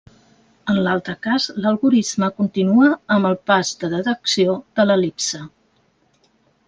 En l'altre cas l'algorisme continua amb el pas de detecció de l'el·lipse.